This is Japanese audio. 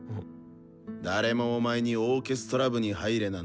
誰もお前にオーケストラ部に入れなんて言ってないぞ。